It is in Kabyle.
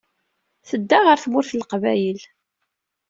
Tedda ɣer Tmurt n Leqbayel.